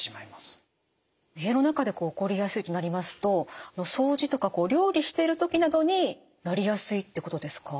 家の中で起こりやすいとなりますと掃除とか料理している時などになりやすいってことですか？